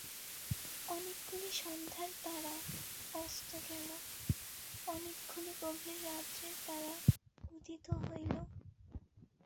অনেকগুলি সন্ধ্যার তারা অস্ত গেল, অনেকগুলি গভীর রাত্রের তারা উদিত হইল।